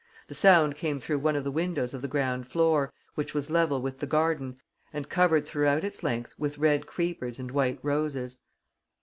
The sound came through one of the windows of the ground floor, which was level with the garden and covered throughout its length with red creepers and white roses.